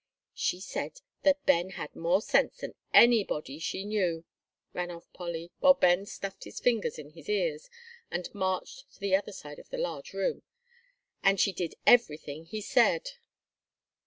She said that Ben had more sense than anybody she knew," ran on Polly, while Ben stuffed his fingers in his ears and marched to the other side of the large room, "and she did everything he said."